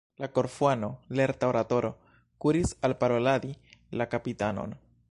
La Korfuano, lerta oratoro, kuris alparoladi la kapitanon.